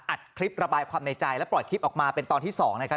อัดคลิประบายความในใจและปล่อยคลิปออกมาเป็นตอนที่๒นะครับ